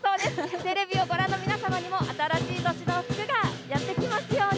テレビをご覧の皆様にも、新しい年の福がやって来ますように。